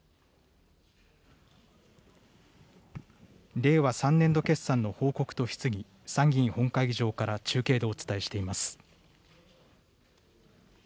令和３年度決算の報告と質疑、参議院本会議場から中継でお伝えしています。